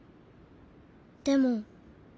でも。